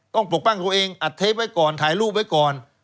ปกป้องตัวเองอัดเทปไว้ก่อนถ่ายรูปไว้ก่อน